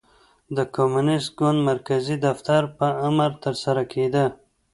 د کمونېست ګوند مرکزي دفتر په امر ترسره کېده.